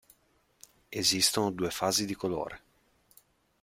Esistono due fasi di colore.